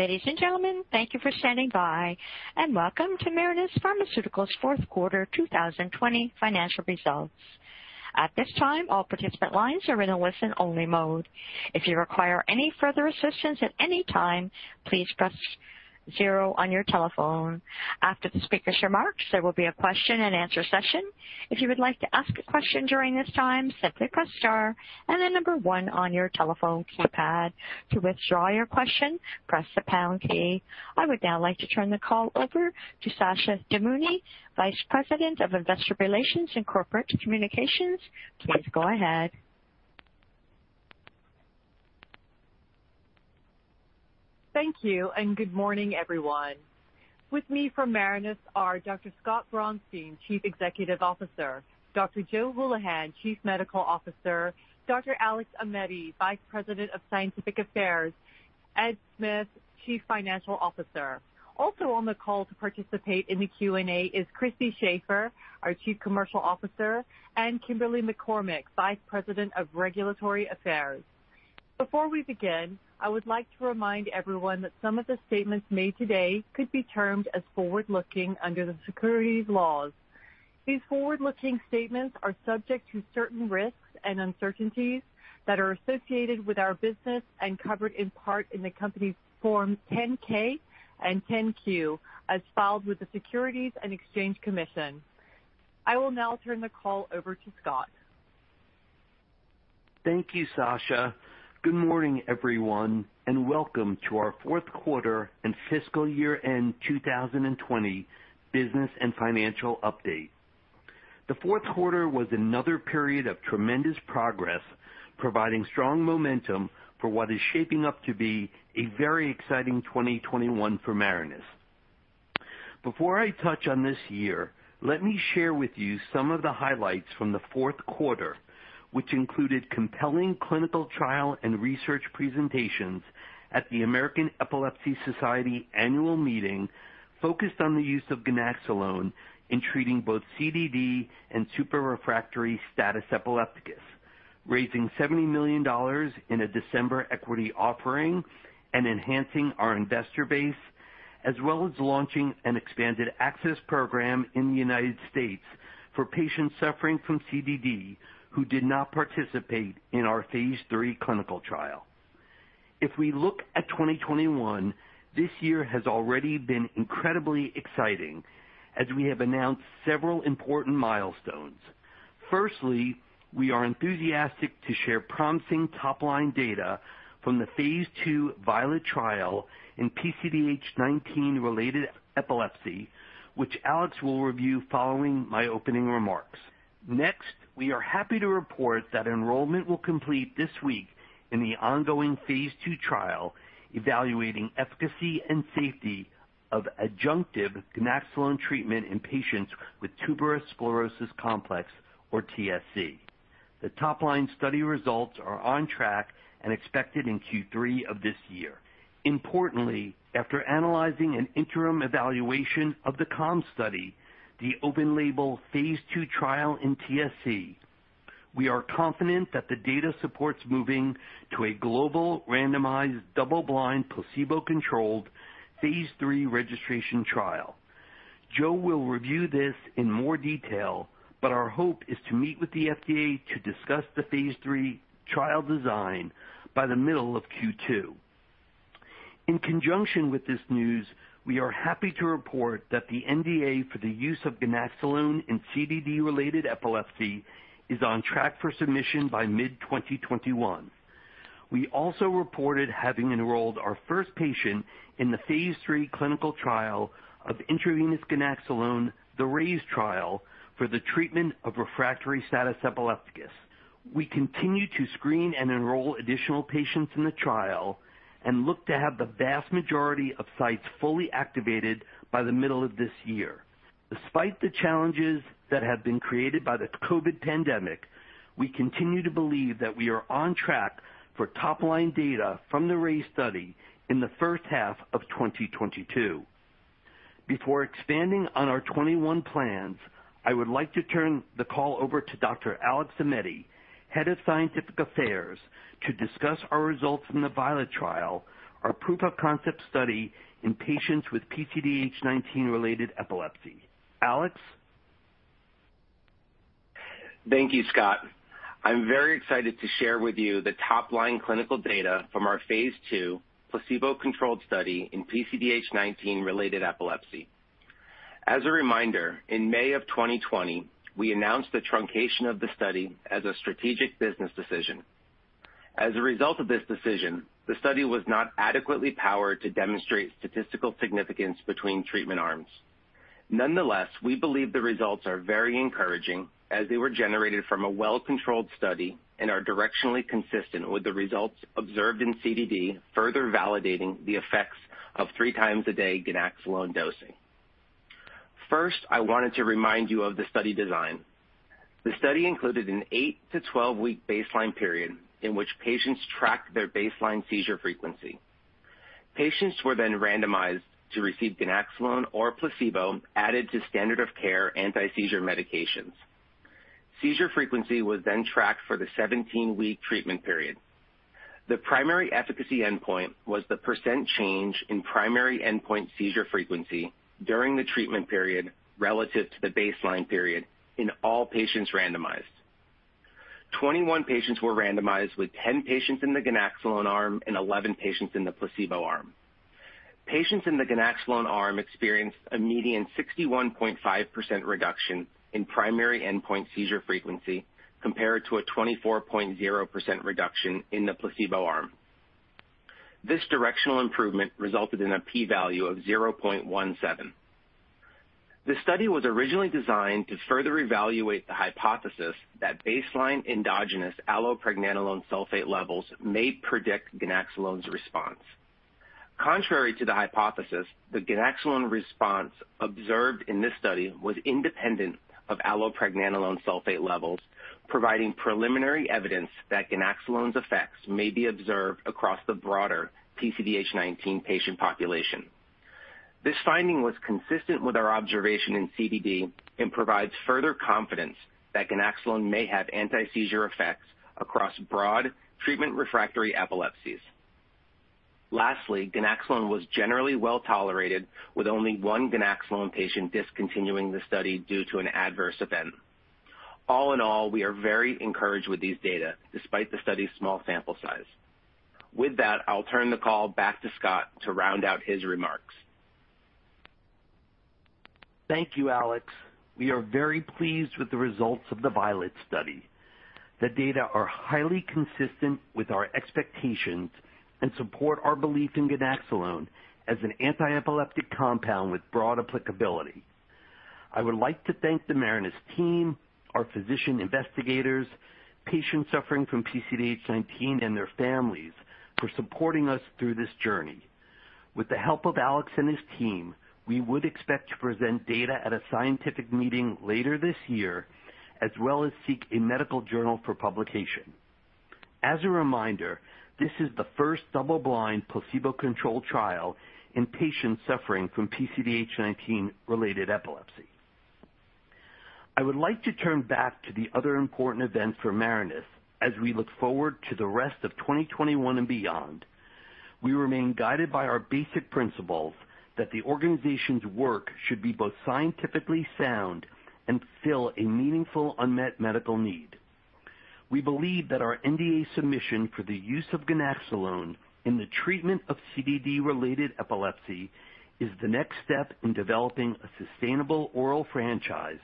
Ladies and gentlemen, thank you for standing by, and welcome to Marinus Pharmaceuticals' Fourth Quarter 2020 Financial Results. At this time, all participant lines are in a listen-only mode. If you require any further assistance at any time, please press zero on your telephone. After the speakers' remarks, there will be a question and answer session. If you would like to ask a question during this time, simply press star and then number one on your telephone keypad. To withdraw your question, press the pound key. I would now like to turn the call over to Sasha Damouni, Vice President of Investor Relations and Corporate Communications. Please go ahead. Thank you. Good morning, everyone. With me from Marinus are Dr. Scott Braunstein, Chief Executive Officer, Dr. Joe Hulihan, Chief Medical Officer, Dr. Alex Aimetti, Vice President of Scientific Affairs, Ed Smith, Chief Financial Officer. Also on the call to participate in the Q&A is Christy Shafer, our Chief Commercial Officer, and Kimberly McCormick, Vice President of Regulatory Affairs. Before we begin, I would like to remind everyone that some of the statements made today could be termed as forward-looking under the securities laws. These forward-looking statements are subject to certain risks and uncertainties that are associated with our business and covered in part in the company's Form 10-K and 10-Q, as filed with the Securities and Exchange Commission. I will now turn the call over to Scott. Thank you, Sasha. Good morning, everyone, and welcome to our fourth quarter and fiscal year-end 2020 business and financial update. The fourth quarter was another period of tremendous progress, providing strong momentum for what is shaping up to be a very exciting 2021 for Marinus. Before I touch on this year, let me share with you some of the highlights from the fourth quarter, which included compelling clinical trial and research presentations at the American Epilepsy Society annual meeting focused on the use of ganaxolone in treating both CDD and super-refractory status epilepticus, raising $70 million in a December equity offering and enhancing our investor base, as well as launching an expanded access program in the U.S. for patients suffering from CDD who did not participate in our phase III clinical trial. If we look at 2021, this year has already been incredibly exciting as we have announced several important milestones. Firstly, we are enthusiastic to share promising top-line data from the phase II Violet trial in PCDH19-related epilepsy, which Alex will review following my opening remarks. Next, we are happy to report that enrollment will complete this week in the ongoing phase II trial evaluating efficacy and safety of adjunctive ganaxolone treatment in patients with tuberous sclerosis complex or TSC. The top-line study results are on track and expected in Q3 of this year. Importantly, after analyzing an interim evaluation of the CALM study, the open-label phase II trial in TSC, we are confident that the data supports moving to a global randomized double-blind placebo-controlled phase III registration trial. Joe will review this in more detail, but our hope is to meet with the FDA to discuss the phase III trial design by the middle of Q2. In conjunction with this news, we are happy to report that the NDA for the use of ganaxolone in CDD-related epilepsy is on track for submission by mid-2021. We also reported having enrolled our first patient in the phase III clinical trial of intravenous ganaxolone, the RAISE trial, for the treatment of refractory status epilepticus. We continue to screen and enroll additional patients in the trial and look to have the vast majority of sites fully activated by the middle of this year. Despite the challenges that have been created by the COVID pandemic, we continue to believe that we are on track for top-line data from the RAISE study in the first half of 2022. Before expanding on our 2021 plans, I would like to turn the call over to Dr. Alex Aimetti, Head of Scientific Affairs, to discuss our results from the Violet trial, our proof-of-concept study in patients with PCDH19-related epilepsy. Alex? Thank you, Scott. I'm very excited to share with you the top-line clinical data from our phase II placebo-controlled study in PCDH19-related epilepsy. As a reminder, in May of 2020, we announced the truncation of the study as a strategic business decision. As a result of this decision, the study was not adequately powered to demonstrate statistical significance between treatment arms. Nonetheless, we believe the results are very encouraging as they were generated from a well-controlled study and are directionally consistent with the results observed in CDD, further validating the effects of three times a day ganaxolone dosing. First, I wanted to remind you of the study design. The study included an 8-12-week baseline period in which patients tracked their baseline seizure frequency. Patients were then randomized to receive ganaxolone or a placebo added to standard-of-care anti-seizure medications. Seizure frequency was tracked for the 17-week treatment period. The primary efficacy endpoint was the percent change in primary endpoint seizure frequency during the treatment period relative to the baseline period in all patients randomized. 21 patients were randomized, with 10 patients in the ganaxolone arm and 11 patients in the placebo arm. Patients in the ganaxolone arm experienced a median 61.5% reduction in primary endpoint seizure frequency compared to a 24.0% reduction in the placebo arm. This directional improvement resulted in a P value of 0.17. The study was originally designed to further evaluate the hypothesis that baseline endogenous allopregnanolone sulfate levels may predict ganaxolone's response. Contrary to the hypothesis, the ganaxolone response observed in this study was independent of allopregnanolone sulfate levels, providing preliminary evidence that ganaxolone's effects may be observed across the broader PCDH19 patient population. This finding was consistent with our observation in CDD and provides further confidence that ganaxolone may have anti-seizure effects across broad treatment-refractory epilepsies. Lastly, ganaxolone was generally well-tolerated, with only one ganaxolone patient discontinuing the study due to an adverse event. All in all, we are very encouraged with these data, despite the study's small sample size. With that, I'll turn the call back to Scott to round out his remarks. Thank you, Alex. We are very pleased with the results of the Violet study. The data are highly consistent with our expectations and support our belief in ganaxolone as an anti-epileptic compound with broad applicability. I would like to thank the Marinus team, our physician investigators, patients suffering from PCDH19, and their families for supporting us through this journey. With the help of Alex and his team, we would expect to present data at a scientific meeting later this year, as well as seek a medical journal for publication. As a reminder, this is the first double-blind, placebo-controlled trial in patients suffering from PCDH19-related epilepsy. I would like to turn back to the other important events for Marinus as we look forward to the rest of 2021 and beyond. We remain guided by our basic principles that the organization's work should be both scientifically sound and fill a meaningful unmet medical need. We believe that our NDA submission for the use of ganaxolone in the treatment of CDD-related epilepsy is the next step in developing a sustainable oral franchise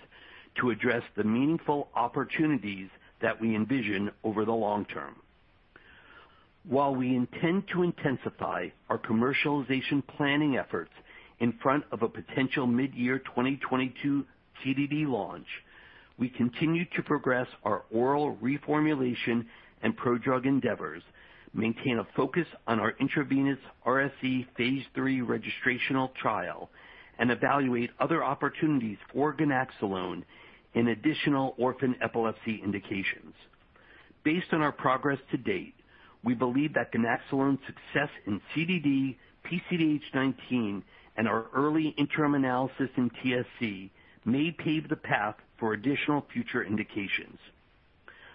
to address the meaningful opportunities that we envision over the long term. While we intend to intensify our commercialization planning efforts in front of a potential mid-year 2022 CDD launch, we continue to progress our oral reformulation and prodrug endeavors, maintain a focus on our intravenous RSE phase III registrational trial, and evaluate other opportunities for ganaxolone in additional orphan epilepsy indications. Based on our progress to date, we believe that ganaxolone's success in CDD, PCDH19, and our early interim analysis in TSC may pave the path for additional future indications.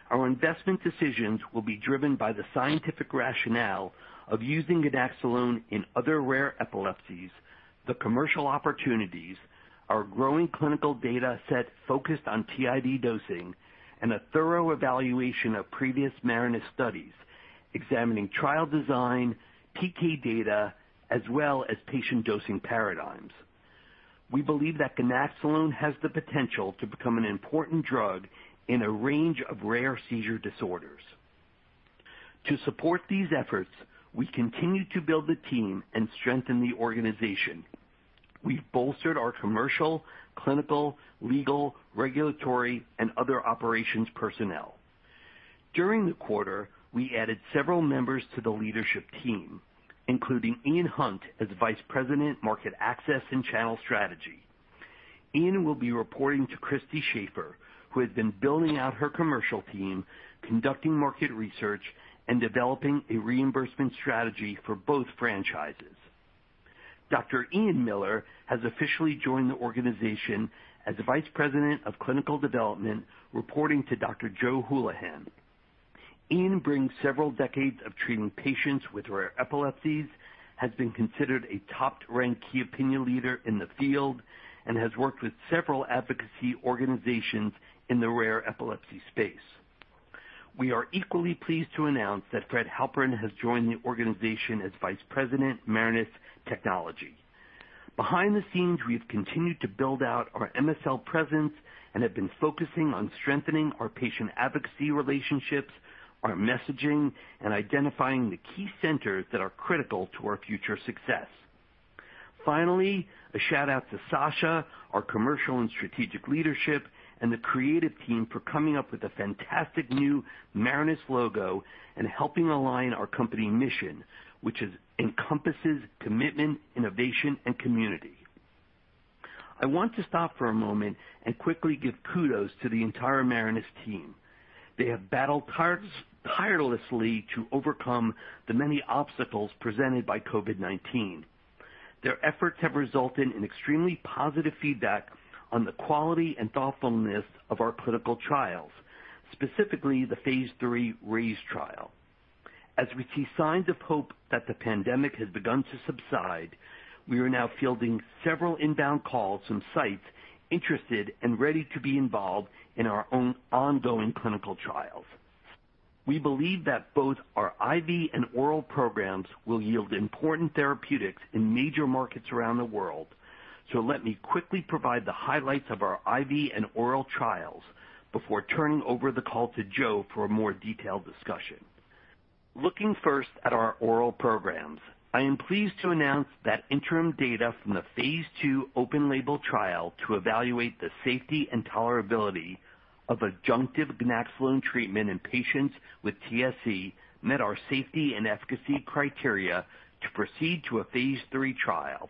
Our investment decisions will be driven by the scientific rationale of using ganaxolone in other rare epilepsies, the commercial opportunities, our growing clinical data set focused on TID dosing, and a thorough evaluation of previous Marinus studies, examining trial design, PK data, as well as patient dosing paradigms. We believe that ganaxolone has the potential to become an important drug in a range of rare seizure disorders. To support these efforts, we continue to build the team and strengthen the organization. We've bolstered our commercial, clinical, legal, regulatory, and other operations personnel. During the quarter, we added several members to the leadership team, including Ian Hunt as Vice President, Market Access and Channel Strategy. Ian will be reporting to Christy Shafer, who has been building out her commercial team, conducting market research, and developing a reimbursement strategy for both franchises. Dr. Ian Miller has officially joined the organization as Vice President of Clinical Development, reporting to Dr. Joe Hulihan. Ian brings several decades of treating patients with rare epilepsies, has been considered a top-ranked key opinion leader in the field, and has worked with several advocacy organizations in the rare epilepsy space. We are equally pleased to announce that Fred Halperin has joined the organization as Vice President, Marinus Technology. Behind the scenes, we have continued to build out our MSL presence and have been focusing on strengthening our patient advocacy relationships, our messaging, and identifying the key centers that are critical to our future success. Finally, a shout-out to Sasha, our commercial and strategic leadership, and the creative team for coming up with a fantastic new Marinus logo and helping align our company mission, which encompasses commitment, innovation, and community. I want to stop for a moment and quickly give kudos to the entire Marinus team. They have battled tirelessly to overcome the many obstacles presented by COVID-19. Their efforts have resulted in extremely positive feedback on the quality and thoughtfulness of our clinical trials, specifically the phase III RAISE trial. We see signs of hope that the pandemic has begun to subside. We are now fielding several inbound calls from sites interested and ready to be involved in our ongoing clinical trials. We believe that both our IV and oral programs will yield important therapeutics in major markets around the world. Let me quickly provide the highlights of our IV and oral trials before turning over the call to Joe for a more detailed discussion. Looking first at our oral programs, I am pleased to announce that interim data from the phase II open-label trial to evaluate the safety and tolerability of adjunctive ganaxolone treatment in patients with TSC met our safety and efficacy criteria to proceed to a phase III trial,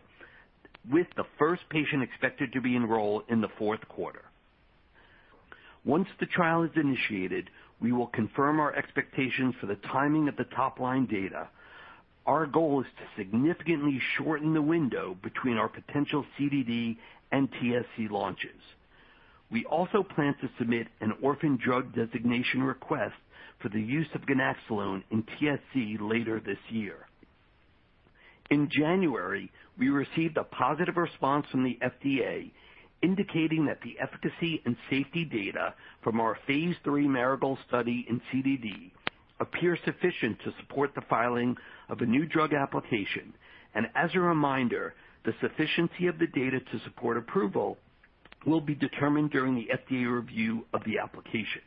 with the first patient expected to be enrolled in the fourth quarter. Once the trial is initiated, we will confirm our expectations for the timing of the top-line data. Our goal is to significantly shorten the window between our potential CDD and TSC launches. We also plan to submit an orphan drug designation request for the use of ganaxolone in TSC later this year. In January, we received a positive response from the FDA indicating that the efficacy and safety data from our phase III Marigold study in CDD appear sufficient to support the filing of a new drug application. As a reminder, the sufficiency of the data to support approval will be determined during the FDA review of the application.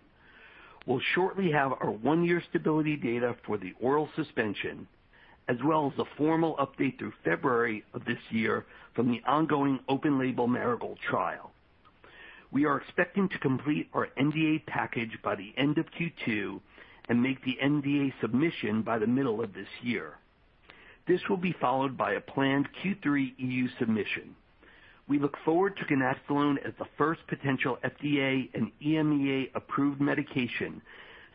We'll shortly have our one-year stability data for the oral suspension, as well as a formal update through February of this year from the ongoing open-label Marigold trial. We are expecting to complete our NDA package by the end of Q2 and make the NDA submission by the middle of this year. This will be followed by a planned Q3 EU submission. We look forward to ganaxolone as the first potential FDA and EMEA approved medication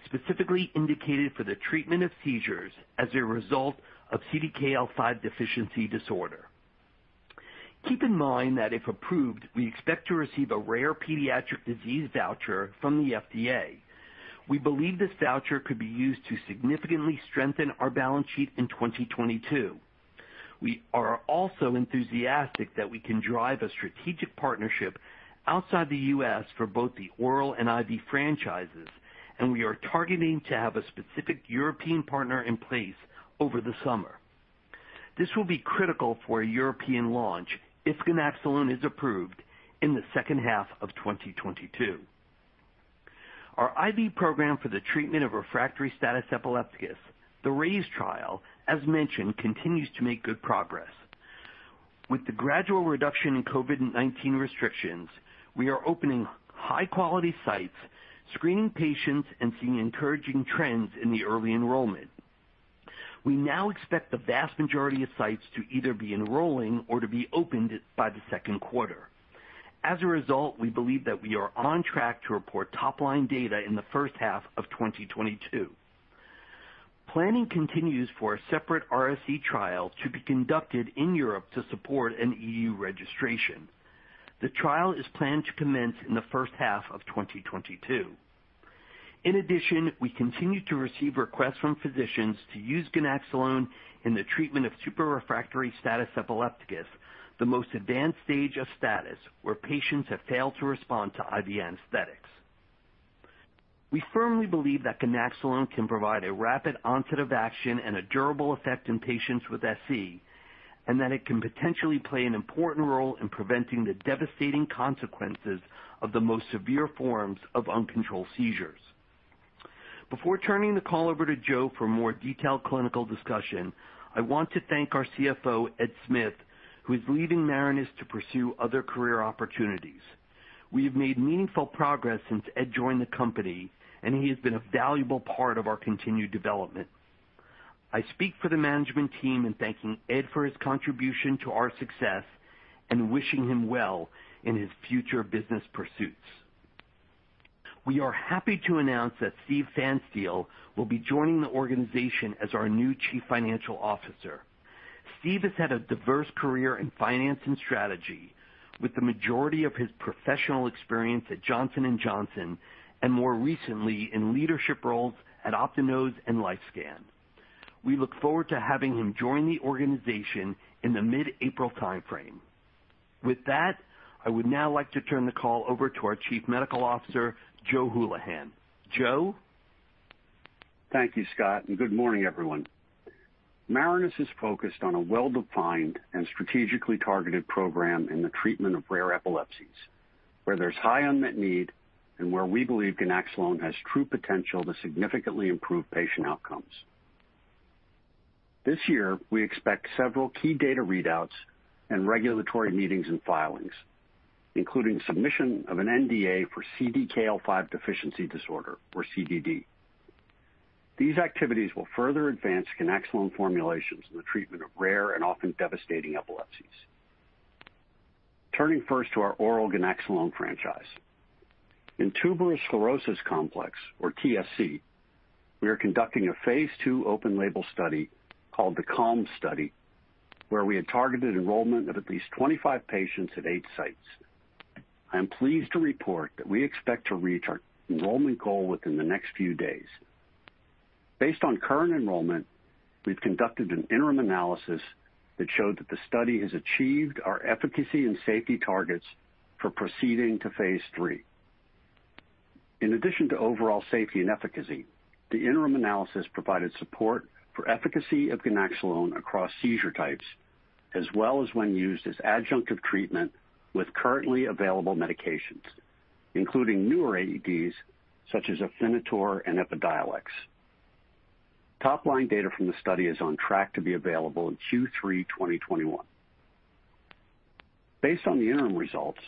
specifically indicated for the treatment of seizures as a result of CDKL5 deficiency disorder. Keep in mind that if approved, we expect to receive a rare pediatric disease voucher from the FDA. We believe this voucher could be used to significantly strengthen our balance sheet in 2022. We are also enthusiastic that we can drive a strategic partnership outside the U.S. for both the oral and IV franchises. We are targeting to have a specific European partner in place over the summer. This will be critical for a European launch if ganaxolone is approved in the second half of 2022. Our IV program for the treatment of refractory status epilepticus, the RAISE trial, as mentioned, continues to make good progress. With the gradual reduction in COVID-19 restrictions, we are opening high-quality sites, screening patients, and seeing encouraging trends in the early enrollment. We now expect the vast majority of sites to either be enrolling or to be opened by the second quarter. As a result, we believe that we are on track to report top-line data in the first half of 2022. Planning continues for a separate RSE trial to be conducted in Europe to support an EU registration. The trial is planned to commence in the first half of 2022. We continue to receive requests from physicians to use ganaxolone in the treatment of super-refractory status epilepticus, the most advanced stage of status where patients have failed to respond to IV anesthetics. We firmly believe that ganaxolone can provide a rapid onset of action and a durable effect in patients with SE, and that it can potentially play an important role in preventing the devastating consequences of the most severe forms of uncontrolled seizures. Before turning the call over to Joe for a more detailed clinical discussion, I want to thank our CFO, Ed Smith, who is leaving Marinus to pursue other career opportunities. We have made meaningful progress since Ed joined the company, and he has been a valuable part of our continued development. I speak for the management team in thanking Ed for his contribution to our success and wishing him well in his future business pursuits. We are happy to announce that Steve Pfanstiel will be joining the organization as our new Chief Financial Officer. Steve has had a diverse career in finance and strategy with the majority of his professional experience at Johnson & Johnson and more recently in leadership roles at Optinose and LifeScan. We look forward to having him join the organization in the mid-April timeframe. I would now like to turn the call over to our Chief Medical Officer, Joe Hulihan. Joe? Thank you, Scott, and good morning, everyone. Marinus is focused on a well-defined and strategically targeted program in the treatment of rare epilepsies, where there's high unmet need and where we believe ganaxolone has true potential to significantly improve patient outcomes. This year, we expect several key data readouts and regulatory meetings and filings, including submission of an NDA for CDKL5 deficiency disorder, or CDD. These activities will further advance ganaxolone formulations in the treatment of rare and often devastating epilepsies. Turning first to our oral ganaxolone franchise. In tuberous sclerosis complex, or TSC, we are conducting a phase II open-label study called the CALM study, where we had targeted enrollment of at least 25 patients at eight sites. I am pleased to report that we expect to reach our enrollment goal within the next few days. Based on current enrollment, we've conducted an interim analysis that showed that the study has achieved our efficacy and safety targets for proceeding to phase III. In addition to overall safety and efficacy, the interim analysis provided support for efficacy of ganaxolone across seizure types, as well as when used as adjunctive treatment with currently available medications, including newer AEDs such as Fycompa and Epidiolex. Top line data from the study is on track to be available in Q3 2021. Based on the interim results,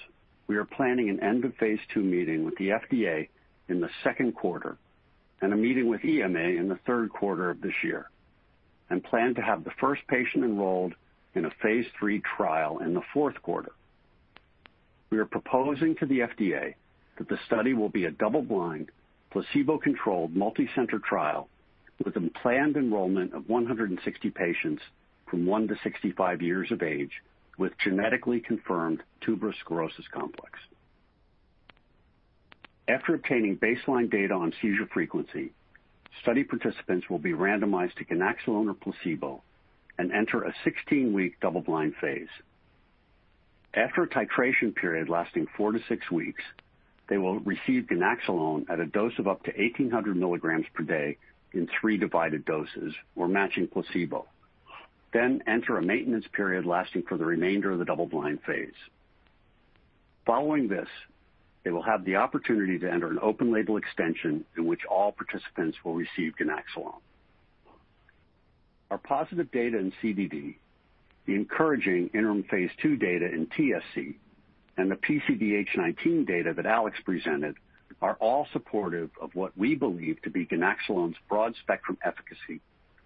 we are planning an end of phase II meeting with the FDA in the second quarter and a meeting with EMA in the third quarter of this year, and plan to have the first patient enrolled in a phase III trial in the fourth quarter. We are proposing to the FDA that the study will be a double-blind, placebo-controlled, multi-center trial with a planned enrollment of 160 patients from one to 65 years of age with genetically confirmed tuberous sclerosis complex. After obtaining baseline data on seizure frequency, study participants will be randomized to ganaxolone or placebo and enter a 16-week double-blind phase. After a titration period lasting four to six weeks, they will receive ganaxolone at a dose of up to 1,800 mg per day in three divided doses or matching placebo, then enter a maintenance period lasting for the remainder of the double-blind phase. Following this, they will have the opportunity to enter an open-label extension in which all participants will receive ganaxolone. Our positive data in CDD, the encouraging interim phase II data in TSC, and the PCDH19 data that Alex presented are all supportive of what we believe to be ganaxolone's broad-spectrum efficacy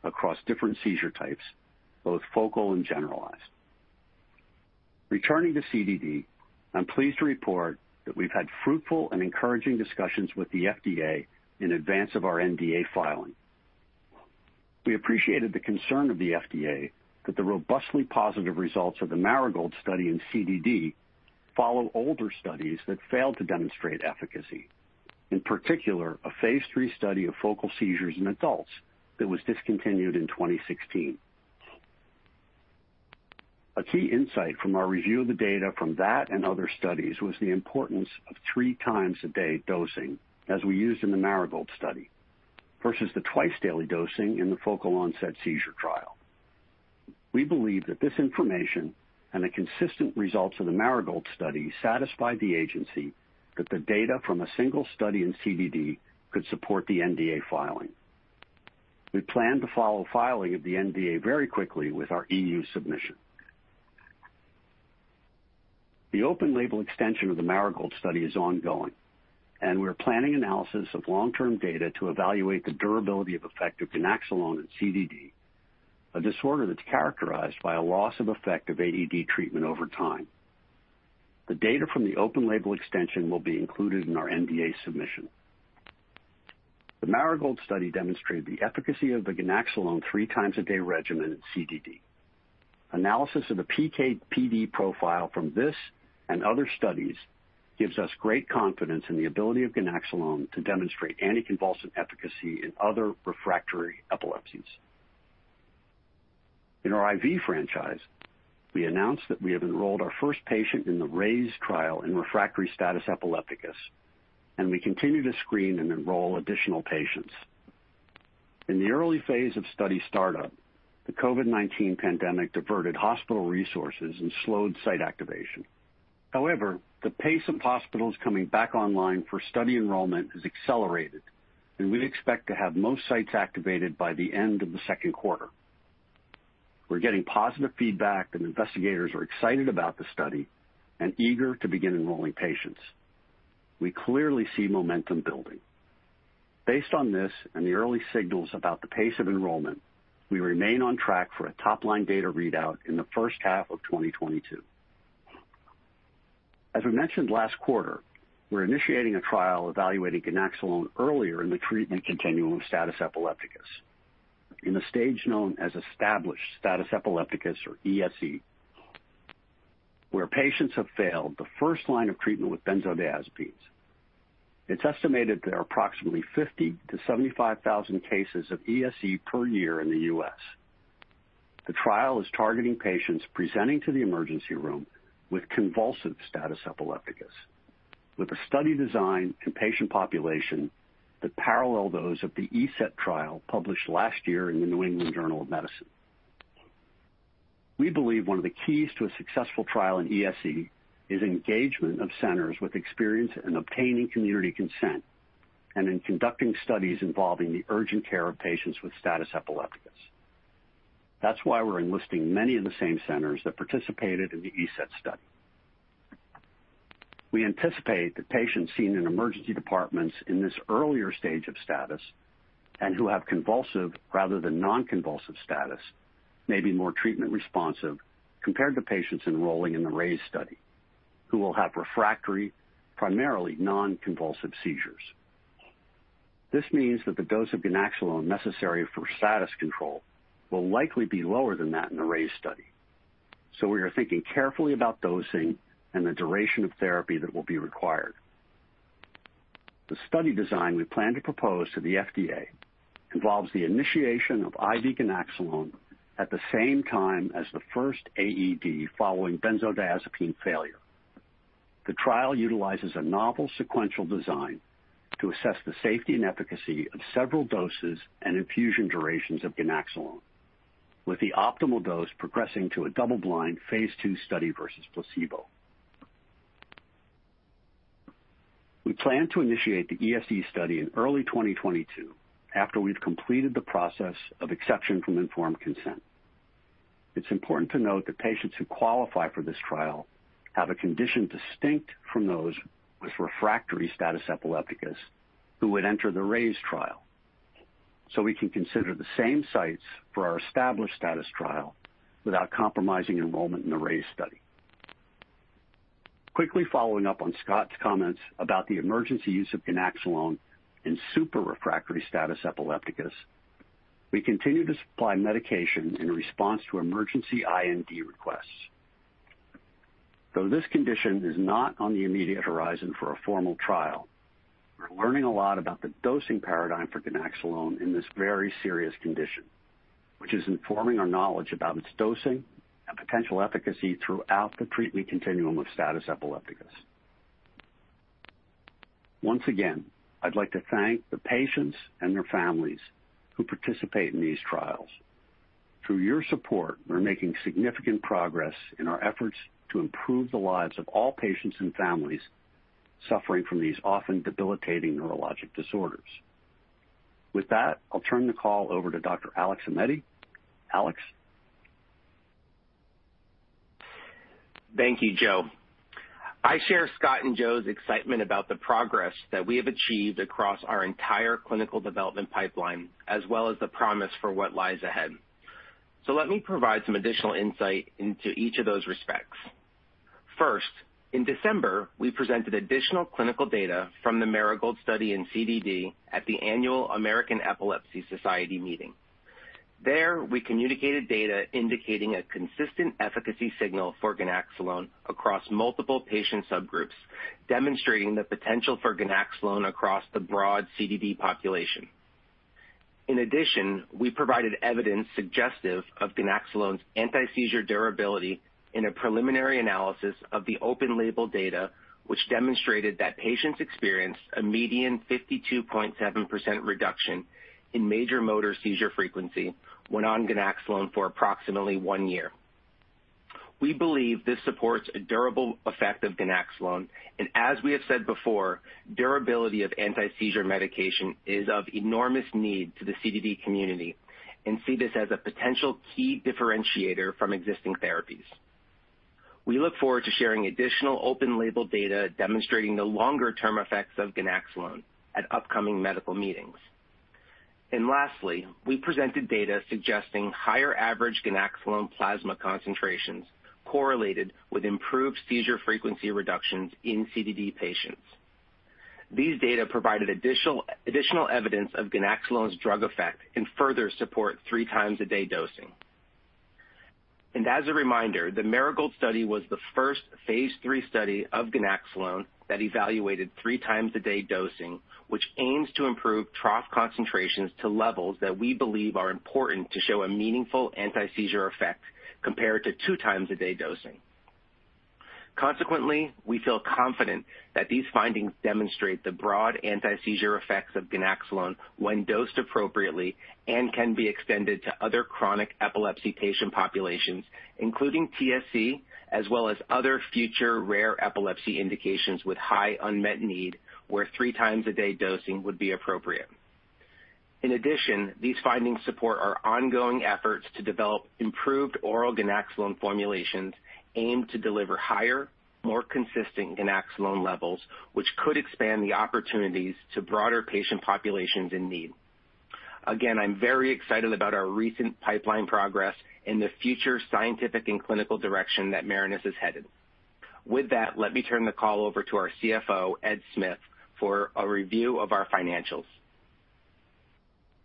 across different seizure types, both focal and generalized. Returning to CDD, I'm pleased to report that we've had fruitful and encouraging discussions with the FDA in advance of our NDA filing. We appreciated the concern of the FDA that the robustly positive results of the Marigold study in CDD follow older studies that failed to demonstrate efficacy. In particular, a phase III study of focal seizures in adults that was discontinued in 2016. A key insight from our review of the data from that and other studies was the importance of three times a day dosing as we used in the Marigold study, versus the twice-daily dosing in the focal onset seizure trial. We believe that this information and the consistent results of the Marigold study satisfied the agency that the data from a single study in CDD could support the NDA filing. We plan to follow filing of the NDA very quickly with our EU submission. The open-label extension of the Marigold study is ongoing, and we're planning analysis of long-term data to evaluate the durability of effect of ganaxolone in CDD, a disorder that's characterized by a loss of effect of AED treatment over time. The data from the open-label extension will be included in our NDA submission. The Marigold study demonstrated the efficacy of the ganaxolone three times a day regimen in CDD. Analysis of the PK/PD profile from this and other studies gives us great confidence in the ability of ganaxolone to demonstrate anticonvulsant efficacy in other refractory epilepsies. In our IV franchise, we announced that we have enrolled our first patient in the RAISE trial in refractory status epilepticus. We continue to screen and enroll additional patients. In the early phase of study startup, the COVID-19 pandemic diverted hospital resources and slowed site activation. However, the pace of hospitals coming back online for study enrollment has accelerated, and we expect to have most sites activated by the end of the second quarter. We're getting positive feedback. Investigators are excited about the study and eager to begin enrolling patients. We clearly see momentum building. Based on this and the early signals about the pace of enrollment, we remain on track for a top-line data readout in the first half of 2022. As we mentioned last quarter, we're initiating a trial evaluating ganaxolone earlier in the treatment continuum of status epilepticus in the stage known as established status epilepticus, or ESE, where patients have failed the first line of treatment with benzodiazepines. It's estimated there are approximately 50,000 to 75,000 cases of ESE per year in the U.S. The trial is targeting patients presenting to the emergency room with convulsive status epilepticus. With a study design and patient population that parallel those of the ESETT trial published last year in "The New England Journal of Medicine." We believe one of the keys to a successful trial in ESE is engagement of centers with experience in obtaining community consent and in conducting studies involving the urgent care of patients with status epilepticus. That's why we're enlisting many of the same centers that participated in the ESETT study. We anticipate that patients seen in emergency departments in this earlier stage of status, and who have convulsive rather than non-convulsive status, may be more treatment responsive compared to patients enrolling in the RAISE study, who will have refractory, primarily non-convulsive seizures. This means that the dose of ganaxolone necessary for status control will likely be lower than that in the RAISE study. We are thinking carefully about dosing and the duration of therapy that will be required. The study design we plan to propose to the FDA involves the initiation of IV ganaxolone at the same time as the first AED following benzodiazepine failure. The trial utilizes a novel sequential design to assess the safety and efficacy of several doses and infusion durations of ganaxolone, with the optimal dose progressing to a double-blind phase II study versus placebo. We plan to initiate the ESE study in early 2022, after we've completed the process of exception from informed consent. It's important to note that patients who qualify for this trial have a condition distinct from those with refractory status epilepticus who would enter the RAISE trial. We can consider the same sites for our established status trial without compromising enrollment in the RAISE study. Quickly following up on Scott's comments about the emergency use of ganaxolone in super-refractory status epilepticus, we continue to supply medication in response to emergency eIND requests. Though this condition is not on the immediate horizon for a formal trial, we're learning a lot about the dosing paradigm for ganaxolone in this very serious condition, which is informing our knowledge about its dosing and potential efficacy throughout the treatment continuum of status epilepticus. Once again, I'd like to thank the patients and their families who participate in these trials. Through your support, we're making significant progress in our efforts to improve the lives of all patients and families suffering from these often debilitating neurologic disorders. With that, I'll turn the call over to Dr. Alex Aimetti. Alex? Thank you, Joe. I share Scott and Joe's excitement about the progress that we have achieved across our entire clinical development pipeline, as well as the promise for what lies ahead. Let me provide some additional insight into each of those respects. First, in December, we presented additional clinical data from the Marigold study in CDD at the annual American Epilepsy Society meeting. There, we communicated data indicating a consistent efficacy signal for ganaxolone across multiple patient subgroups, demonstrating the potential for ganaxolone across the broad CDD population. In addition, we provided evidence suggestive of ganaxolone's anti-seizure durability in a preliminary analysis of the open-label data, which demonstrated that patients experienced a median 52.7% reduction in major motor seizure frequency when on ganaxolone for approximately one year. We believe this supports a durable effect of ganaxolone, as we have said before, durability of anti-seizure medication is of enormous need to the CDD community and see this as a potential key differentiator from existing therapies. We look forward to sharing additional open-label data demonstrating the longer-term effects of ganaxolone at upcoming medical meetings. Lastly, we presented data suggesting higher average ganaxolone plasma concentrations correlated with improved seizure frequency reductions in CDD patients. These data provided additional evidence of ganaxolone's drug effect and further support three times a day dosing. As a reminder, the Marigold study was the first phase III study of ganaxolone that evaluated three times a day dosing, which aims to improve trough concentrations to levels that we believe are important to show a meaningful anti-seizure effect compared to two times a day dosing. Consequently, we feel confident that these findings demonstrate the broad anti-seizure effects of ganaxolone when dosed appropriately and can be extended to other chronic epilepsy patient populations, including TSC, as well as other future rare epilepsy indications with high unmet need where three times a day dosing would be appropriate. In addition, these findings support our ongoing efforts to develop improved oral ganaxolone formulations aimed to deliver higher, more consistent ganaxolone levels, which could expand the opportunities to broader patient populations in need. Again, I'm very excited about our recent pipeline progress and the future scientific and clinical direction that Marinus is headed. With that, let me turn the call over to our CFO, Ed Smith, for a review of our financials.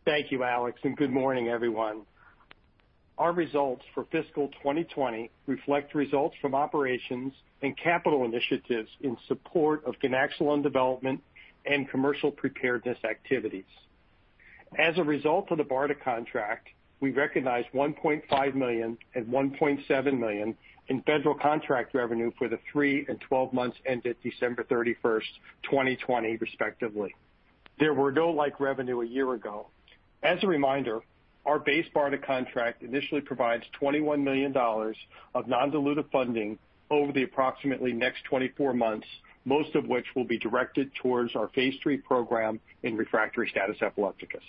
Thank you, Alex, and good morning, everyone. Our results for fiscal 2020 reflect results from operations and capital initiatives in support of ganaxolone development and commercial preparedness activities. As a result of the BARDA contract, we recognized $1.5 million and $1.7 million in federal contract revenue for the three and 12 months ended December 31st, 2020, respectively. There were no like revenue a year ago. As a reminder, our base BARDA contract initially provides $21 million of non-dilutive funding over the approximately next 24 months, most of which will be directed towards our phase III program in refractory status epilepticus.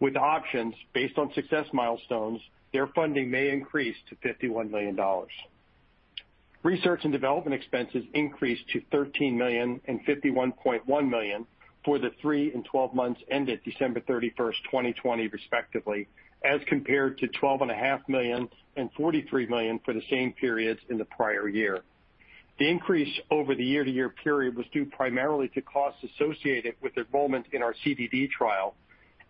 With options based on success milestones, their funding may increase to $51 million. Research and development expenses increased to $13 million and $51.1 million for the three and 12 months ended December 31st, 2020, respectively, as compared to $12.5 million and $43 million for the same periods in the prior year. The increase over the year-to-year period was due primarily to costs associated with enrollment in our CDD trial.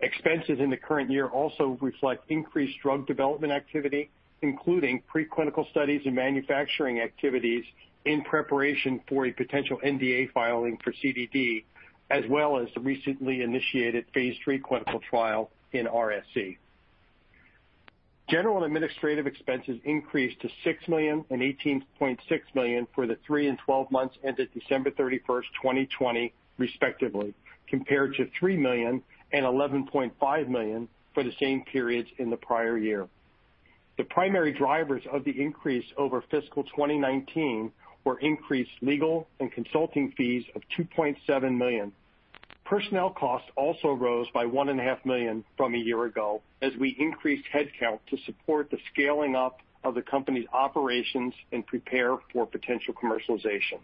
Expenses in the current year also reflect increased drug development activity, including pre-clinical studies and manufacturing activities in preparation for a potential NDA filing for CDD, as well as the recently initiated phase III clinical trial in RSE. General and administrative expenses increased to $6 million and $18.6 million for the three and 12 months ended December 31st, 2020 respectively, compared to $3 million and $11.5 million for the same periods in the prior year. The primary drivers of the increase over fiscal 2019 were increased legal and consulting fees of $2.7 million. Personnel costs also rose by $1.5 million from a year ago, as we increased headcount to support the scaling up of the company's operations and prepare for potential commercialization.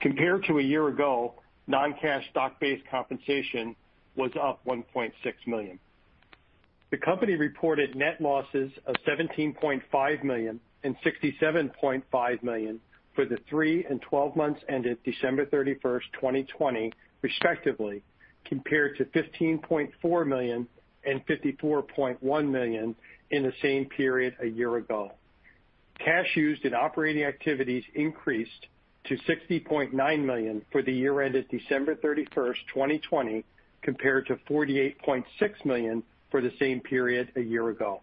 Compared to a year ago, non-cash stock-based compensation was up $1.6 million. The company reported net losses of $17.5 million and $67.5 million for the three and 12 months ended December 31st, 2020 respectively, compared to $15.4 million and $54.1 million in the same period a year ago. Cash used in operating activities increased to $60.9 million for the year ended December 31st, 2020, compared to $48.6 million for the same period a year ago.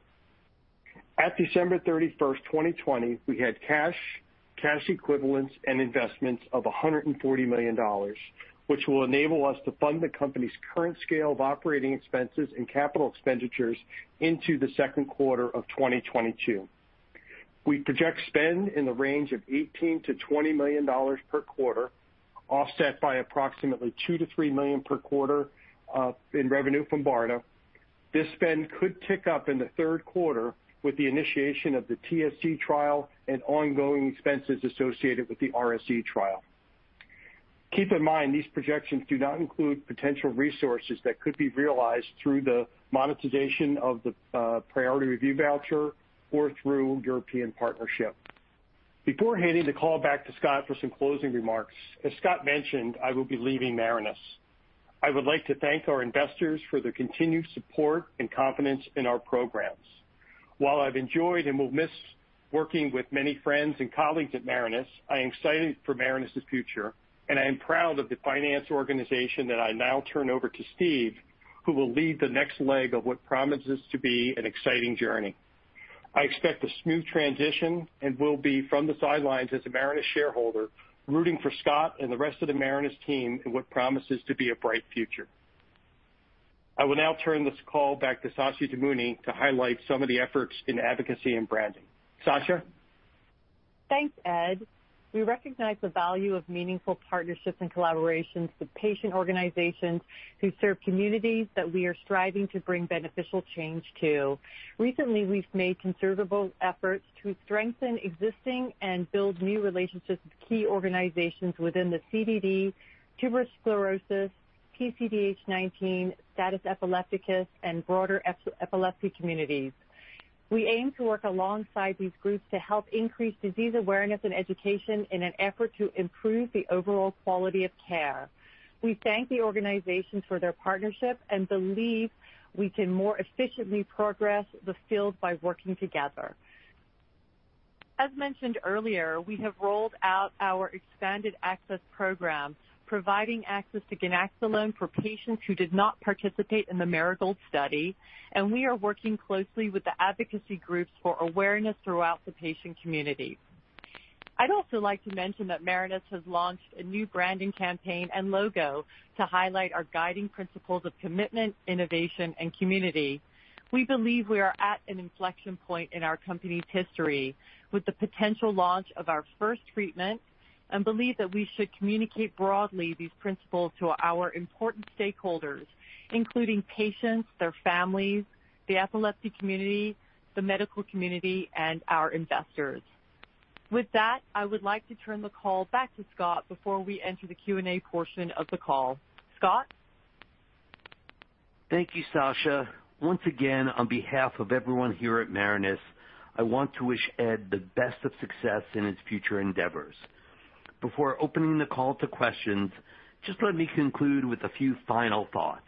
At December 31st, 2020, we had cash equivalents, and investments of $140 million, which will enable us to fund the company's current scale of operating expenses and capital expenditures into the second quarter of 2022. We project spend in the range of $18 million-$20 million per quarter, offset by approximately $2 million-$3 million per quarter, in revenue from BARDA. This spend could tick up in the third quarter with the initiation of the TSC trial and ongoing expenses associated with the RSE trial. Keep in mind, these projections do not include potential resources that could be realized through the monetization of the priority review voucher or through European partnership. Before handing the call back to Scott for some closing remarks, as Scott mentioned, I will be leaving Marinus. I would like to thank our investors for their continued support and confidence in our programs. While I've enjoyed and will miss working with many friends and colleagues at Marinus, I am excited for Marinus' future, and I am proud of the finance organization that I now turn over to Steve, who will lead the next leg of what promises to be an exciting journey. I expect a smooth transition and will be from the sidelines as a Marinus shareholder, rooting for Scott and the rest of the Marinus team in what promises to be a bright future. I will now turn this call back to Sasha Damouni to highlight some of the efforts in advocacy and branding. Sasha? Thanks, Ed. We recognize the value of meaningful partnerships and collaborations with patient organizations who serve communities that we are striving to bring beneficial change to. Recently, we've made considerable efforts to strengthen existing and build new relationships with key organizations within the CDD, tuberous sclerosis, PCDH19, status epilepticus, and broader epilepsy communities. We aim to work alongside these groups to help increase disease awareness and education in an effort to improve the overall quality of care. We thank the organizations for their partnership and believe we can more efficiently progress the field by working together. As mentioned earlier, we have rolled out our expanded access program, providing access to ganaxolone for patients who did not participate in the Marigold study, and we are working closely with the advocacy groups for awareness throughout the patient community. I'd also like to mention that Marinus has launched a new branding campaign and logo to highlight our guiding principles of commitment, innovation, and community. We believe we are at an inflection point in our company's history with the potential launch of our first treatment and believe that we should communicate broadly these principles to our important stakeholders, including patients, their families, the epilepsy community, the medical community, and our investors. With that, I would like to turn the call back to Scott before we enter the Q&A portion of the call. Scott? Thank you, Sasha. Once again, on behalf of everyone here at Marinus, I want to wish Ed the best of success in his future endeavors. Before opening the call to questions, just let me conclude with a few final thoughts.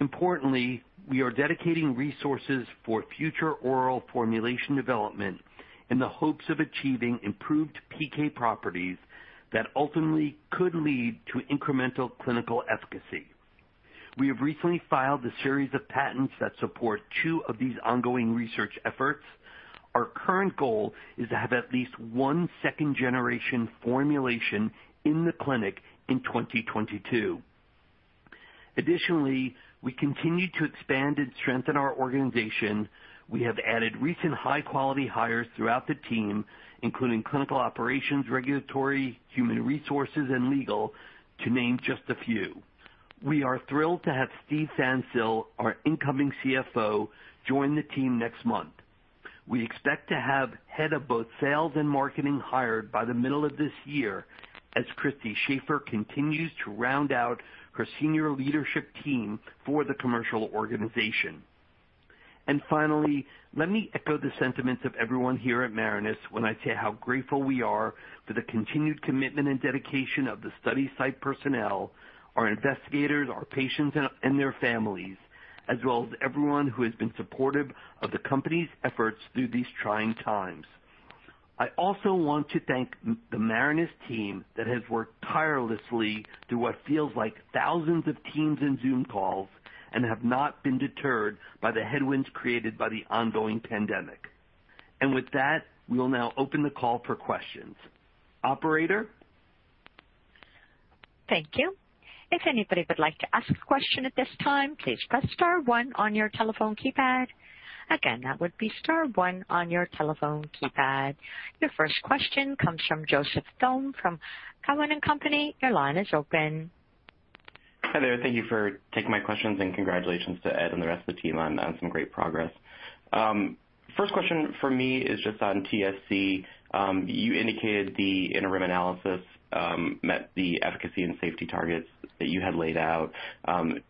Importantly, we are dedicating resources for future oral formulation development in the hopes of achieving improved PK properties that ultimately could lead to incremental clinical efficacy. We have recently filed a series of patents that support two of these ongoing research efforts. Our current goal is to have at least one second-generation formulation in the clinic in 2022. Additionally, we continue to expand and strengthen our organization. We have added recent high-quality hires throughout the team, including clinical operations, regulatory, human resources, and legal, to name just a few. We are thrilled to have Steve Pfanstiel, our incoming CFO, join the team next month. We expect to have head of both sales and marketing hired by the middle of this year as Christy Shafer continues to round out her senior leadership team for the commercial organization. Finally, let me echo the sentiments of everyone here at Marinus when I say how grateful we are for the continued commitment and dedication of the study site personnel, our investigators, our patients and their families, as well as everyone who has been supportive of the company's efforts through these trying times. I also want to thank the Marinus team that has worked tirelessly through what feels like thousands of Teams and Zoom calls and have not been deterred by the headwinds created by the ongoing pandemic. With that, we will now open the call for questions. Operator? Thank you. If anybody would like to ask a question at this time, please press star one on your telephone keypad. Again, that would be star one on your telephone keypad. Your first question comes from Joseph Thome from Cowen and Company. Your line is open. Hi there. Thank you for taking my questions. Congratulations to Ed and the rest of the team on some great progress. First question from me is just on TSC. You indicated the interim analysis met the efficacy and safety targets that you had laid out.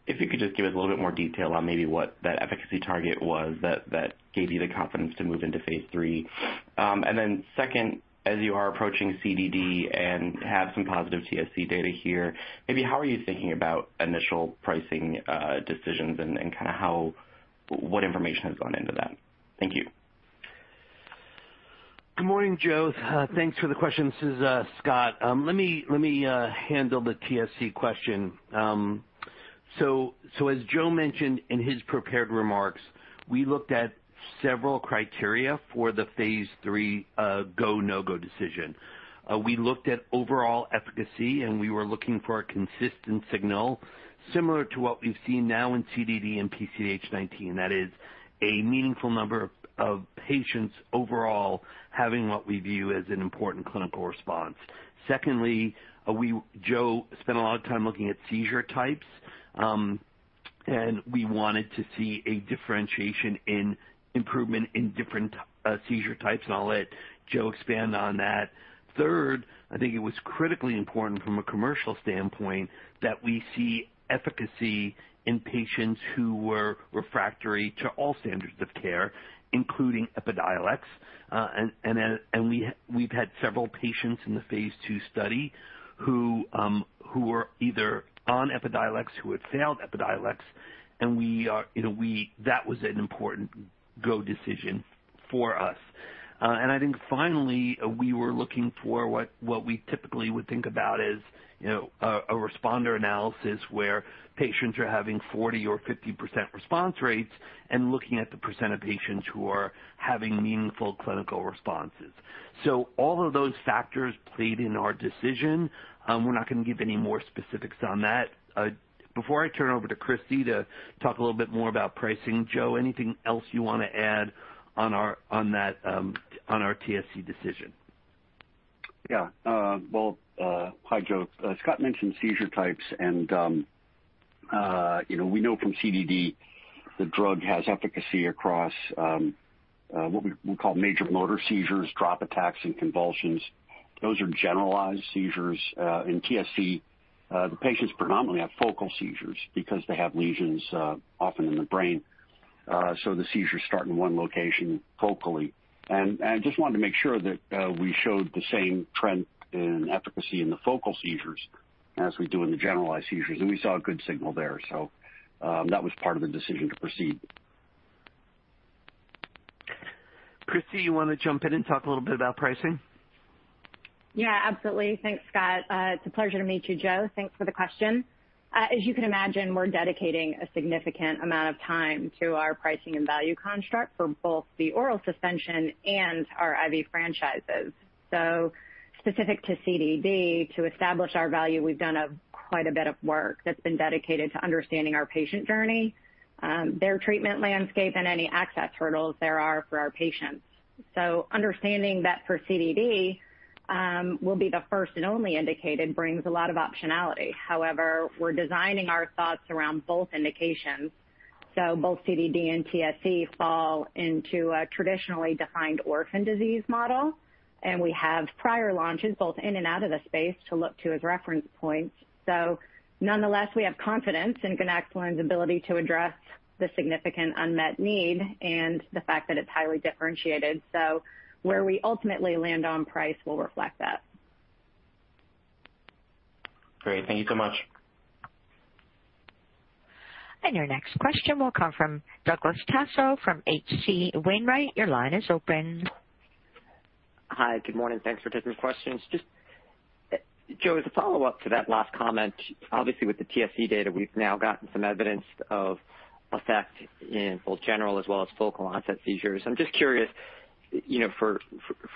If you could just give us a little bit more detail on maybe what that efficacy target was that gave you the confidence to move into phase III. Then second, as you are approaching CDD and have some positive TSC data here, maybe how are you thinking about initial pricing decisions and what information has gone into that? Thank you. Good morning, Joe. Thanks for the question. This is Scott. Let me handle the TSC question. As Joe mentioned in his prepared remarks, we looked at several criteria for the phase III go, no-go decision. We looked at overall efficacy, and we were looking for a consistent signal similar to what we've seen now in CDD and PCDH19. That is a meaningful number of patients overall having what we view as an important clinical response. Secondly, Joe spent a lot of time looking at seizure types. We wanted to see a differentiation in improvement in different seizure types, and I'll let Joe expand on that. Third, I think it was critically important from a commercial standpoint that we see efficacy in patients who were refractory to all standards of care, including Epidiolex. We've had several patients in the phase II study who were either on Epidiolex, who had failed Epidiolex, and that was an important go decision for us. I think finally, we were looking for what we typically would think about as a responder analysis where patients are having 40% or 50% response rates and looking at the percent of patients who are having meaningful clinical responses. All of those factors played in our decision. We're not going to give any more specifics on that. Before I turn it over to Christy to talk a little bit more about pricing, Joe, anything else you want to add on our TSC decision? Yeah. Well, hi, Joe. Scott mentioned seizure types. We know from CDD, the drug has efficacy across what we call major motor seizures, drop attacks, and convulsions. Those are generalized seizures. In TSC, the patients predominantly have focal seizures because they have lesions often in the brain. The seizures start in one location focally. I just wanted to make sure that we showed the same trend in efficacy in the focal seizures as we do in the generalized seizures. We saw a good signal there. That was part of the decision to proceed. Christy, you want to jump in and talk a little bit about pricing? Yeah, absolutely. Thanks, Scott. It's a pleasure to meet you, Joe. Thanks for the question. As you can imagine, we're dedicating a significant amount of time to our pricing and value construct for both the oral suspension and our IV franchises. Specific to CDD, to establish our value, we've done quite a bit of work that's been dedicated to understanding our patient journey, their treatment landscape, and any access hurdles there are for our patients. Understanding that for CDD will be the first and only indicated brings a lot of optionality. However, we're designing our thoughts around both indications, so both CDD and TSC fall into a traditionally defined orphan disease model, and we have prior launches both in and out of the space to look to as reference points. Nonetheless, we have confidence in ganaxolone's ability to address the significant unmet need and the fact that it's highly differentiated. Where we ultimately land on price will reflect that. Great. Thank you so much. Your next question will come from Douglas Tsao from H.C. Wainwright. Your line is open. Hi. Good morning. Thanks for taking the questions. Joe, as a follow-up to that last comment, obviously with the TSC data, we've now gotten some evidence of effect in both general as well as focal onset seizures. I'm just curious,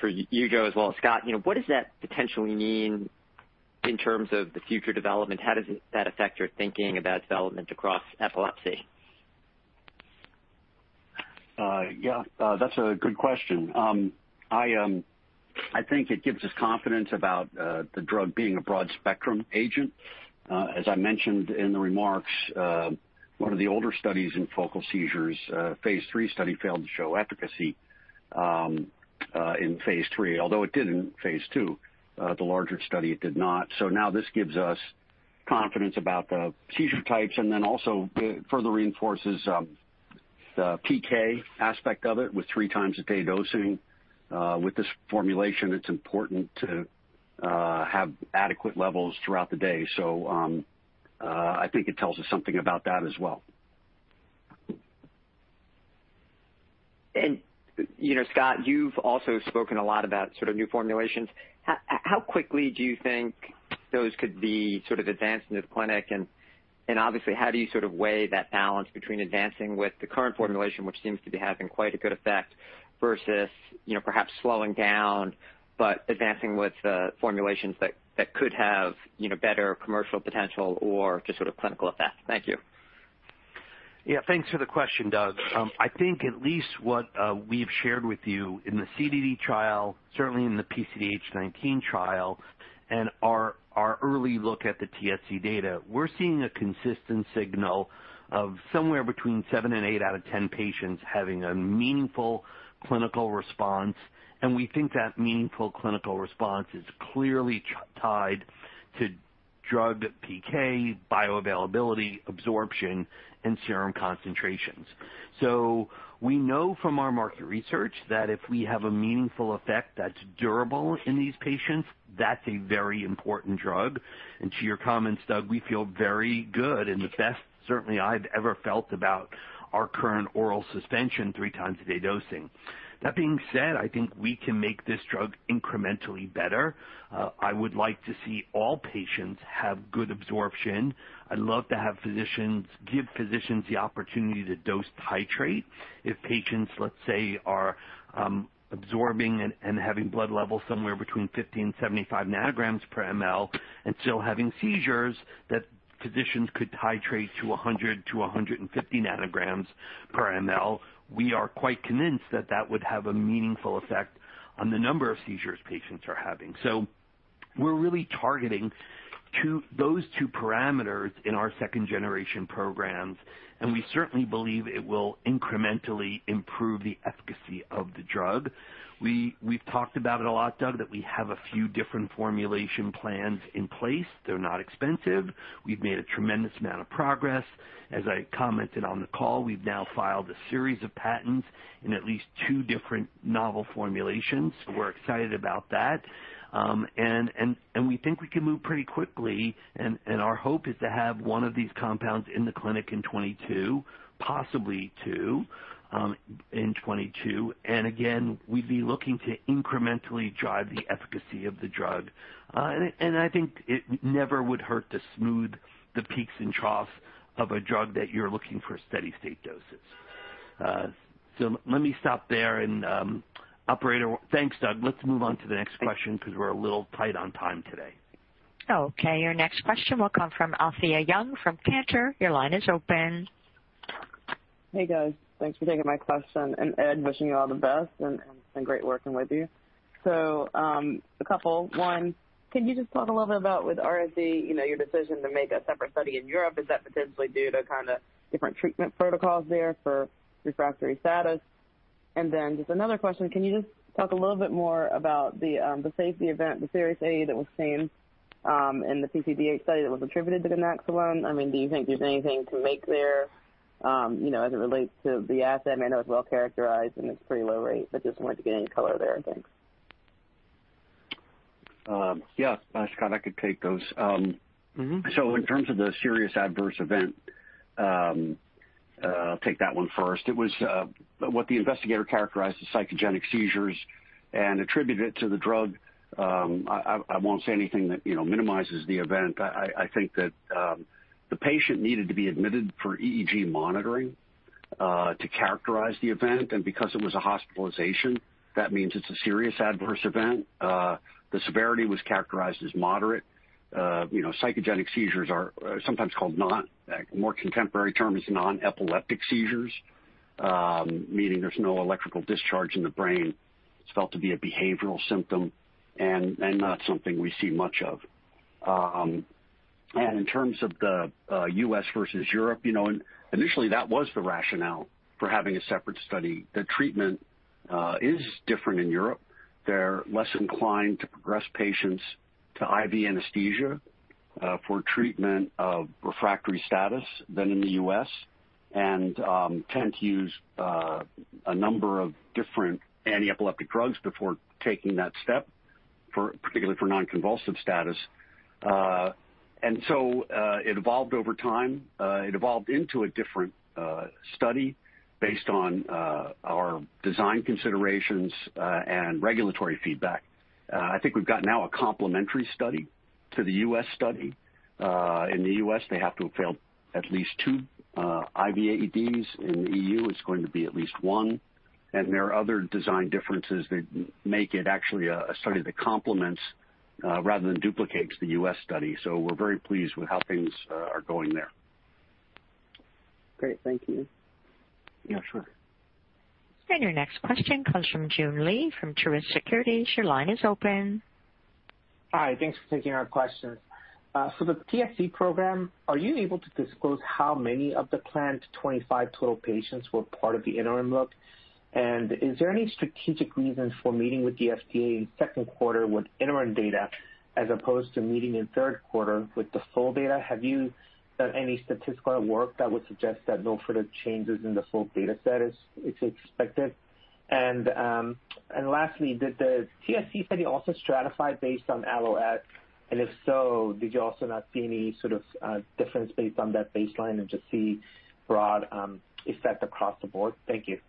for you, Joe, as well as Scott, what does that potentially mean in terms of the future development? How does that affect your thinking about development across epilepsy? Yeah. That's a good question. I think it gives us confidence about the drug being a broad-spectrum agent. As I mentioned in the remarks, one of the older studies in focal seizures, phase III study failed to show efficacy in phase III, although it did in phase II. The larger study, it did not. Now this gives us confidence about the seizure types also it further reinforces the PK aspect of it with three times a day dosing. With this formulation, it's important to have adequate levels throughout the day. I think it tells us something about that as well. Scott, you've also spoken a lot about new formulations. How quickly do you think those could be advanced into the clinic and obviously, how do you sort of weigh that balance between advancing with the current formulation, which seems to be having quite a good effect versus perhaps slowing down, but advancing with formulations that could have better commercial potential or just clinical effect? Thank you. Yeah. Thanks for the question, Doug. I think at least what we've shared with you in the CDD trial, certainly in the PCDH19 trial, and our early look at the TSC data, we're seeing a consistent signal of somewhere between seven and eight out of 10 patients having a meaningful clinical response, and we think that meaningful clinical response is clearly tied to drug PK, bioavailability, absorption, and serum concentrations. We know from our market research that if we have a meaningful effect that's durable in these patients, that's a very important drug. To your comments, Doug, we feel very good and the best certainly I've ever felt about our current oral suspension three times a day dosing. That being said, I think we can make this drug incrementally better. I would like to see all patients have good absorption. I'd love to give physicians the opportunity to dose titrate. If patients, let's say, are absorbing and having blood levels somewhere between 50 and 75 ng/mL and still having seizures that physicians could titrate to 100-150 ng/mL. We are quite convinced that that would have a meaningful effect on the number of seizures patients are having. We're really targeting those two parameters in our second-generation programs, and we certainly believe it will incrementally improve the efficacy of the drug. We've talked about it a lot, Doug, that we have a few different formulation plans in place. They're not expensive. We've made a tremendous amount of progress. As I commented on the call, we've now filed a series of patents in at least two different novel formulations. We're excited about that. We think we can move pretty quickly, and our hope is to have one of these compounds in the clinic in 2022, possibly two, in 2022. Again, we'd be looking to incrementally drive the efficacy of the drug. I think it never would hurt to smooth the peaks and troughs of a drug that you're looking for steady state doses. Let me stop there and, operator. Thanks, Doug. Let's move on to the next question because we're a little tight on time today. Okay, your next question will come from Alethia Young from Cantor. Your line is open. Hey, guys. Thanks for taking my question, and Ed, wishing you all the best, and it's been great working with you. A couple. One, can you just talk a little bit about with RSE, your decision to make a separate study in Europe? Is that potentially due to kind of different treatment protocols there for refractory status? Just another question, can you just talk a little bit more about the safety event, the serious AE that was seen in the PCDH19 study that was attributed to the ganaxolone? Do you think there's anything to make there as it relates to the asset? I know it's well-characterized and it's pretty low rate, just wanted to get any color there. Thanks. Yeah. Scott, I could take those. In terms of the serious adverse event, I'll take that one first. It was what the investigator characterized as psychogenic seizures and attributed it to the drug. I won't say anything that minimizes the event. I think that the patient needed to be admitted for EEG monitoring to characterize the event. Because it was a hospitalization, that means it's a serious adverse event. The severity was characterized as moderate. Psychogenic seizures are sometimes called non-epileptic seizures, meaning there's no electrical discharge in the brain. It's felt to be a behavioral symptom and not something we see much of. In terms of the U.S. versus Europe, initially that was the rationale for having a separate study. The treatment is different in Europe. They're less inclined to progress patients to IV anesthesia for treatment of refractory status than in the U.S., and tend to use a number of different anti-epileptic drugs before taking that step, particularly for non-convulsive status. It evolved over time. It evolved into a different study based on our design considerations and regulatory feedback. I think we've got now a complementary study to the U.S. study. In the U.S., they have to have failed at least two IV AEDs. In the EU, it's going to be at least one. There are other design differences that make it actually a study that complements rather than duplicates the U.S. study. We're very pleased with how things are going there. Great. Thank you. Yeah, sure. Your next question comes from Joon Lee from Truist Securities. Your line is open. Hi. Thanks for taking our questions. For the TSC program, are you able to disclose how many of the planned 25 total patients were part of the interim look? Is there any strategic reason for meeting with the FDA in second quarter with interim data as opposed to meeting in third quarter with the full data? Have you done any statistical work that would suggest that no further changes in the full data set is expected? Lastly, did the TSC study also stratify based on ALLO? If so, did you also not see any sort of difference based on that baseline and just see broad effect across the board? Thank you.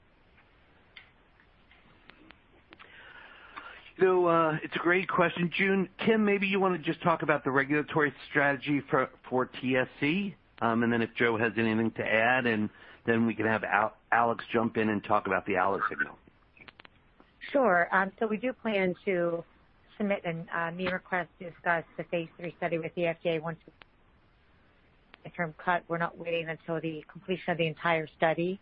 It's a great question, Joon. Kim, maybe you want to just talk about the regulatory strategy for TSC. If Joe has anything to add, and then we can have Alex jump in and talk about the ALLO signal. Sure. We do plan to submit a meeting request to discuss the phase III study with the FDA once it's interim cut. We're not waiting until the completion of the entire study.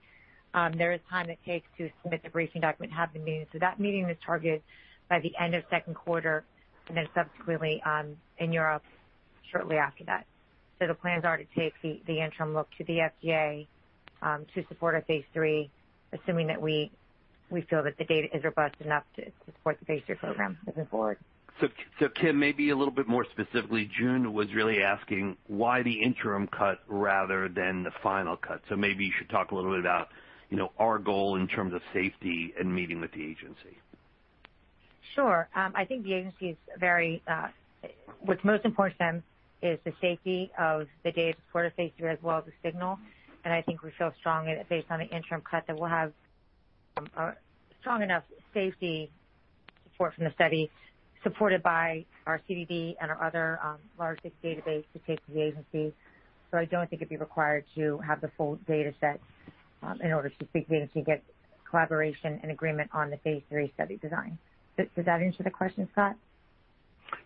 There is time it takes to submit the briefing document, have the meeting. That meeting is targeted by the end of second quarter, and then subsequently in Europe shortly after that. The plans are to take the interim look to the FDA to support our phase III, assuming that we feel that the data is robust enough to support the phase III program moving forward. Kim, maybe a little bit more specifically. Joon was really asking why the interim cut rather than the final cut. Maybe you should talk a little bit about our goal in terms of safety and meeting with the agency. Sure. I think the agency, what's most important to them is the safety of the data to support a phase III as well as the signal. I think we feel strong based on the interim cut that we'll have a strong enough safety support from the study, supported by our CDD and our other large database to take to the agency. I don't think it'd be required to have the full data set in order to speak to the agency, get collaboration and agreement on the phase III study design. Does that answer the question, Scott?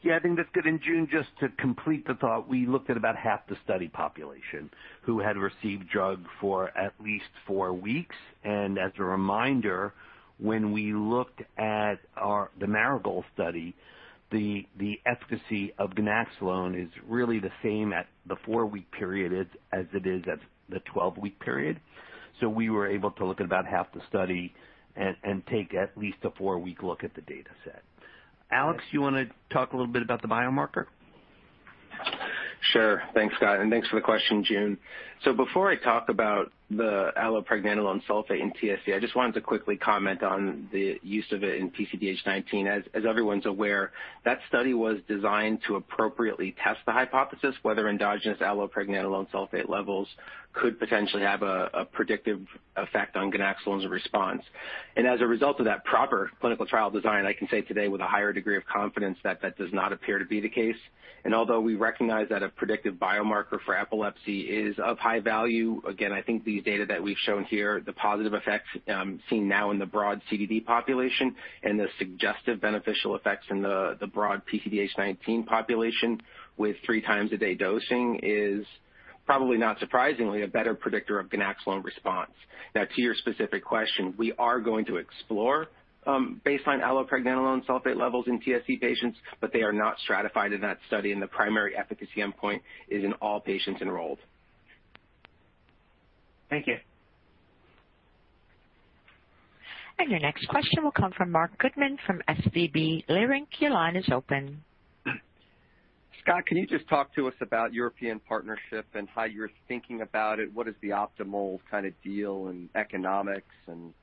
Yeah, I think that's good. Joon, just to complete the thought, we looked at about half the study population who had received drug for at least four weeks. As a reminder, when we looked at the Marigold study, the efficacy of ganaxolone is really the same at the four-week period as it is at the 12-week period. We were able to look at about half the study and take at least a four-week look at the data set. Alex, you want to talk a little bit about the biomarker? Thanks, Scott, and thanks for the question, Joon. Before I talk about the allopregnanolone sulfate in TSC, I just wanted to quickly comment on the use of it in PCDH19. As everyone's aware, that study was designed to appropriately test the hypothesis whether endogenous allopregnanolone sulfate levels could potentially have a predictive effect on ganaxolone's response. As a result of that proper clinical trial design, I can say today with a higher degree of confidence that that does not appear to be the case. Although we recognize that a predictive biomarker for epilepsy is of high value, again, I think the data that we've shown here, the positive effects seen now in the broad CDD population and the suggestive beneficial effects in the broad PCDH19 population with three-times-a-day dosing is probably, not surprisingly, a better predictor of ganaxolone response. Now to your specific question, we are going to explore baseline allopregnanolone sulfate levels in TSC patients. They are not stratified in that study, and the primary efficacy endpoint is in all patients enrolled. Thank you. Your next question will come from Marc Goodman from SVB Leerink. Your line is open. Scott, can you just talk to us about European partnership and how you're thinking about it? What is the optimal kind of deal and economics and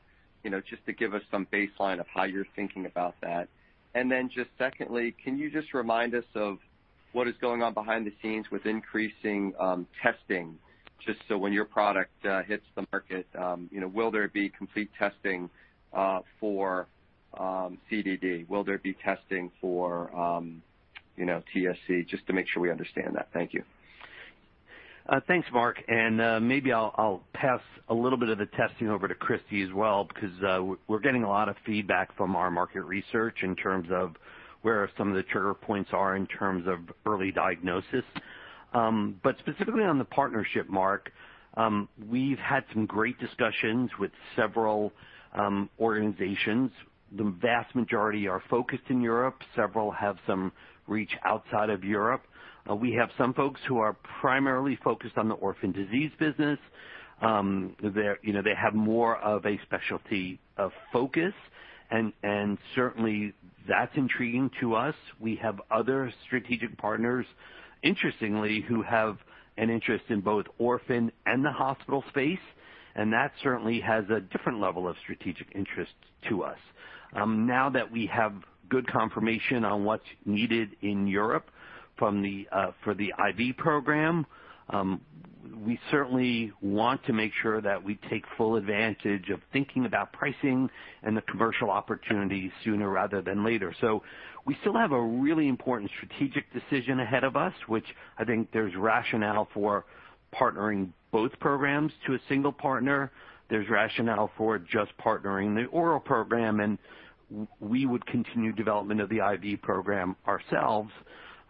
just to give us some baseline of how you're thinking about that. Then just secondly, can you just remind us of what is going on behind the scenes with increasing testing? Just so when your product hits the market will there be complete testing for CDD? Will there be testing for TSC? Just to make sure we understand that. Thank you. Thanks, Marc. Maybe I'll pass a little bit of the testing over to Christy as well, because we're getting a lot of feedback from our market research in terms of where some of the trigger points are in terms of early diagnosis. Specifically on the partnership, Marc, we've had some great discussions with several organizations. The vast majority are focused in Europe. Several have some reach outside of Europe. We have some folks who are primarily focused on the orphan disease business. They have more of a specialty of focus. Certainly, that's intriguing to us. We have other strategic partners, interestingly, who have an interest in both orphan and the hospital space, and that certainly has a different level of strategic interest to us. Now that we have good confirmation on what's needed in Europe for the IV program. We certainly want to make sure that we take full advantage of thinking about pricing and the commercial opportunity sooner rather than later. We still have a really important strategic decision ahead of us, which I think there's rationale for partnering both programs to a single partner. There's rationale for just partnering the oral program, and we would continue development of the IV program ourselves.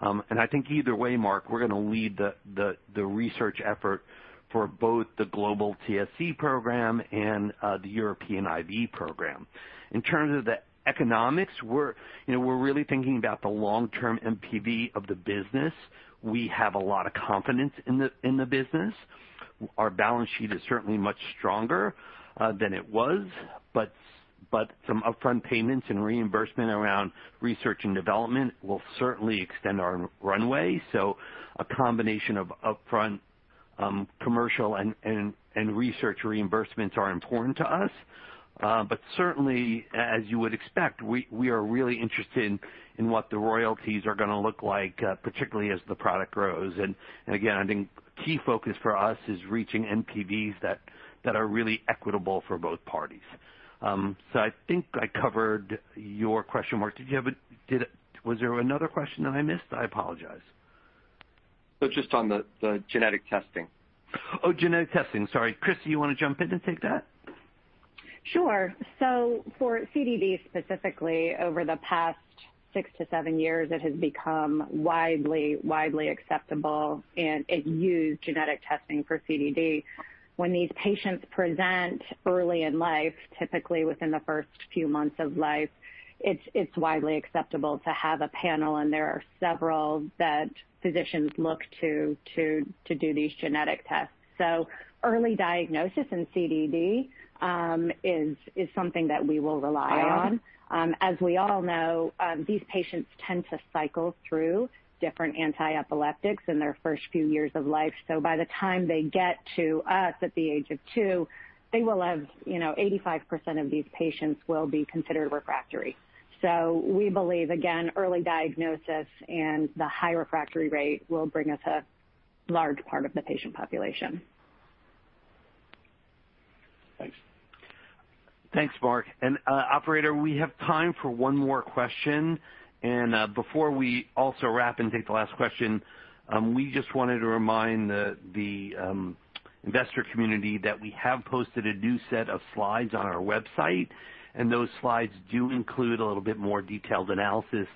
I think either way, Marc, we're going to lead the research effort for both the global TSC program and the European IV program. In terms of the economics, we're really thinking about the long-term NPV of the business. We have a lot of confidence in the business. Our balance sheet is certainly much stronger than it was. Some upfront payments and reimbursement around research and development will certainly extend our runway. A combination of upfront commercial and research reimbursements are important to us. Certainly, as you would expect, we are really interested in what the royalties are going to look like, particularly as the product grows. Again, I think key focus for us is reaching NPVs that are really equitable for both parties. I think I covered your question, Marc. Was there another question that I missed? I apologize. Just on the genetic testing. Oh, genetic testing. Sorry. Christy, do you want to jump in and take that? Sure. For CDD, specifically, over the past six to seven years, it has become widely acceptable, and it used genetic testing for CDD. When these patients present early in life, typically within the first few months of life, it's widely acceptable to have a panel, and there are several that physicians look to do these genetic tests. Early diagnosis in CDD is something that we will rely on. As we all know, these patients tend to cycle through different anti-epileptics in their first few years of life. By the time they get to us at the age of two, 85% of these patients will be considered refractory. We believe, again, early diagnosis and the high refractory rate will bring us a large part of the patient population. Thanks. Thanks, Marc. Operator, we have time for one more question. Before we also wrap and take the last question, we just wanted to remind the investor community that we have posted a new set of slides on our website, and those slides do include a little bit more detailed analysis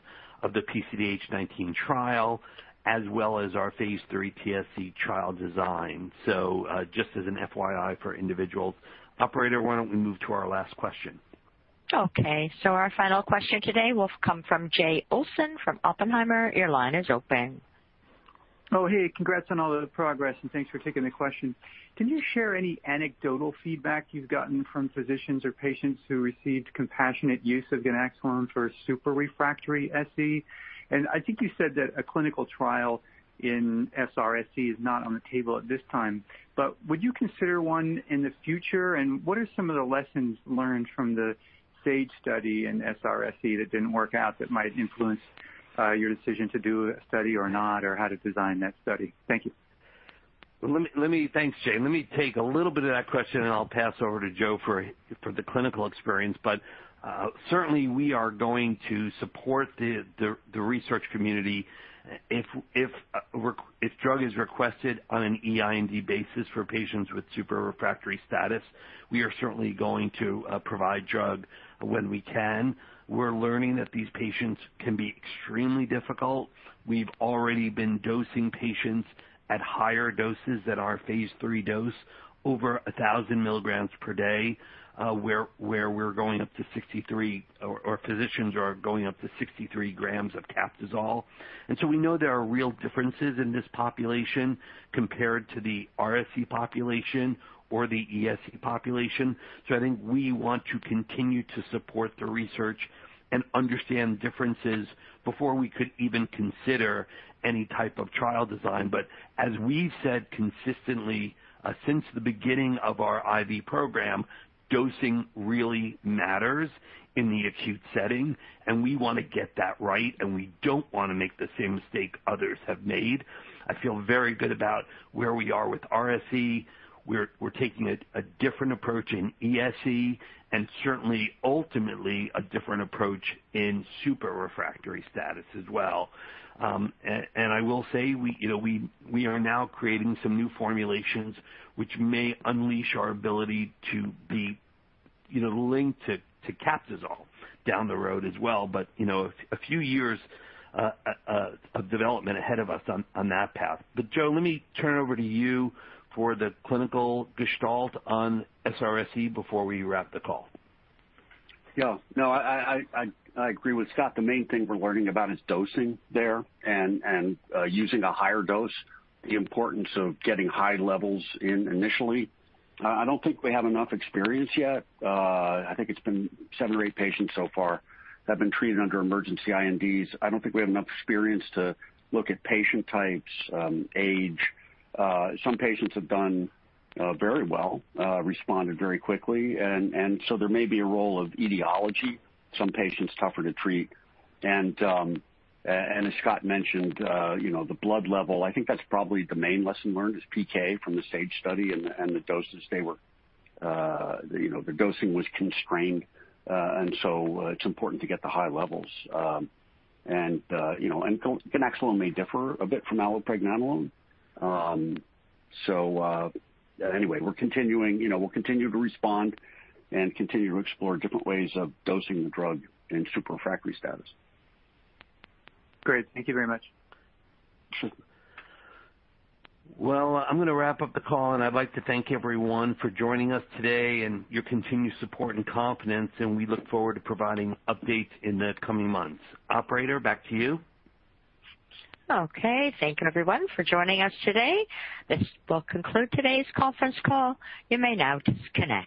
of the PCDH19 trial, as well as our phase III TSC trial design. Just as an FYI for individuals. Operator, why don't we move to our last question? Okay. Our final question today will come from Jay Olson from Oppenheimer. Your line is open. Hey. Congrats on all the progress, thanks for taking the question. Can you share any anecdotal feedback you've gotten from physicians or patients who received compassionate use of ganaxolone for super-refractory SE? I think you said that a clinical trial in SRSE is not on the table at this time, but would you consider one in the future? What are some of the lessons learned from the Sage study in SRSE that didn't work out that might influence your decision to do a study or not, or how to design that study? Thank you. Thanks, Jay. Let me take a little bit of that question, and I'll pass over to Joe for the clinical experience. Certainly, we are going to support the research community. If drug is requested on an eIND basis for patients with super-refractory status, we are certainly going to provide drug when we can. We're learning that these patients can be extremely difficult. We've already been dosing patients at higher doses than our phase III dose, over 1,000 mg per day, where we're going up to 63 g, or physicians are going up to 63 g of Captisol. We know there are real differences in this population compared to the RSE population or the ESE population. I think we want to continue to support the research and understand differences before we could even consider any type of trial design. As we've said consistently since the beginning of our IV program, dosing really matters in the acute setting, and we want to get that right, and we don't want to make the same mistake others have made. I feel very good about where we are with RSE. We're taking a different approach in ESE and certainly, ultimately, a different approach in super refractory status as well. I will say, we are now creating some new formulations which may unleash our ability to be linked to Captisol down the road as well. A few years of development ahead of us on that path. Joe, let me turn over to you for the clinical gestalt on SRSE before we wrap the call. Yeah. No, I agree with Scott. The main thing we're learning about is dosing there and using a higher dose. The importance of getting high levels in initially. I don't think we have enough experience yet. I think it's been seven or eight patients so far that have been treated under emergency INDs. I don't think we have enough experience to look at patient types, age. Some patients have done very well, responded very quickly. There may be a role of etiology. Some patients are tougher to treat. As Scott mentioned, the blood level is important. I think that's probably the main lesson learned is PK from the Sage study and the doses. The dosing was constrained. It's important to get the high levels. Ganaxolone may differ a bit from allopregnanolone. We'll continue to respond and continue to explore different ways of dosing the drug in super-refractory status. Great. Thank you very much. Sure. Well, I'm going to wrap up the call, and I'd like to thank everyone for joining us today and your continued support and confidence, and we look forward to providing updates in the coming months. Operator, back to you. Okay. Thank you everyone for joining us today. This will conclude today's conference call. You may now disconnect.